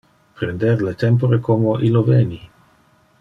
Prender le tempore como illo veni.